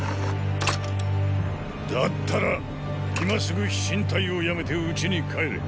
だったら今すぐ飛信隊をやめて家に帰れ。